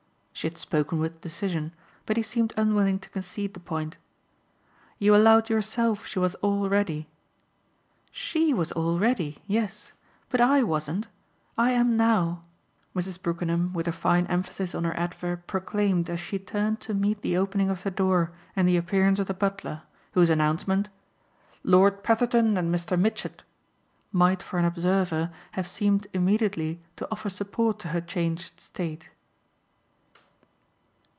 She had spoken with decision, but he seemed unwilling to concede the point. "You allowed yourself she was all ready." "SHE was all ready yes. But I wasn't. I am now," Mrs. Brookenham, with a fine emphasis on her adverb, proclaimed as she turned to meet the opening of the door and the appearance of the butler, whose announcement "Lord Petherton and Mr. Mitchett" might for an observer have seemed immediately to offer support to her changed state.